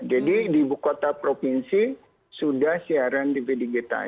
jadi di buku kota provinsi sudah siaran tv digital